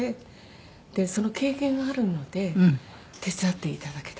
その経験があるので手伝っていただけた。